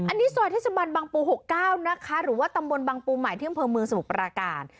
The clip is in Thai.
อันนี้ซอยเทศบันบังปู๖๙นะคะหรือว่าตำบลบังปูใหม่ที่อำเภอเมืองสมุทรปราการ